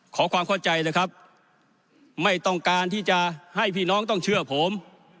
ขอความเข้าใจเลยครับไม่ต้องการที่จะให้พี่น้องต้องเชื่อผม